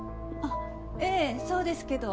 ええそうですけど。